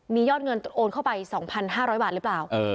มียอดเงินโอนเข้าไป๒๕๐๐บาทหรือเปล่า